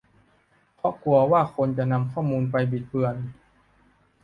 เพราะกลัวว่าคนจะนำข้อมูลไปบิดเบือน